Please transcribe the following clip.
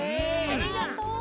ありがとう。